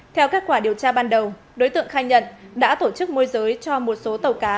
theo kết quả điều tra ban đầu đối tượng khai nhận đã tổ chức môi giới cho một số tàu cá